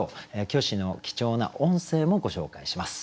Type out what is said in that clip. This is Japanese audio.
虚子の貴重な音声もご紹介します。